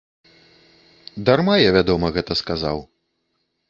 Дарма, я вядома, гэта сказаў.